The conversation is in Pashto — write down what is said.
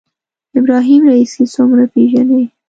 ابراهیم رئیسي څومره پېژنئ